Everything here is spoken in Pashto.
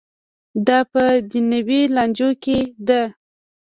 دا په دنیوي لانجو کې ده.